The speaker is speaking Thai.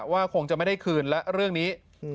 คงจะไม่ได้คืนและเรื่องนี้